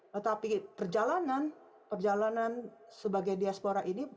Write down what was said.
tetapi perjalanan perjalanan sebagai diaspora ini